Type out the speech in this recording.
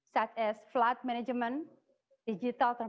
jadi saya akan mengatakan